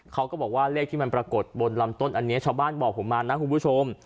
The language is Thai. เขาก็บอกว่าเลขที่มันปรากฏบนลำต้นอันนี้ชาวบ้านบอกผมมานะคุณผู้ชม